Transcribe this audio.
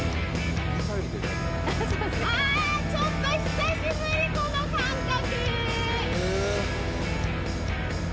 あ、ちょっと久しぶり、この感覚！